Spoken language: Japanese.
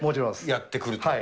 やってくると。